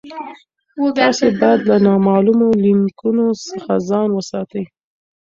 تاسي باید له نامعلومو لینکونو څخه ځان وساتئ.